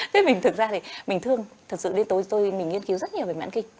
thế mình thực ra thì mình thương thật sự tôi nghiên cứu rất nhiều về mãn kinh